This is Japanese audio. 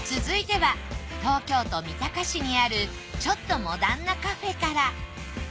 続いては東京都三鷹市にあるちょっとモダンなカフェから。